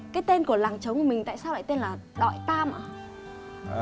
cái tên của làng trống của mình tại sao lại tên là đoại tam ạ